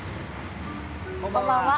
こんばんは。